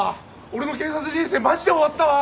俺の警察人生マジで終わったわ。